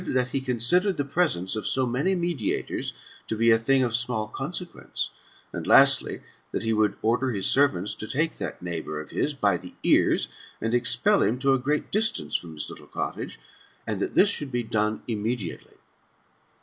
That he considered the presence of so many mediators to be a thing of small consequence ; and lastly, that he would order his servants to take that neighbour of his by the ears, and expel him to a great distance from his little cottage, and that this should be done: immediately.